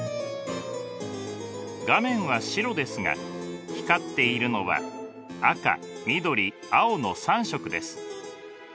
画面は白ですが光っているのは赤緑青の３色です。